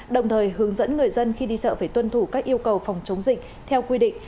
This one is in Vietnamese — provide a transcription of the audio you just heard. đồng thời hướng dẫn người dân khi đi chợ phải tuân thủ các yêu cầu phòng chống dịch theo quy định